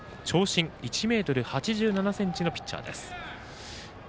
長身１ｍ８７ｃｍのピッチャー。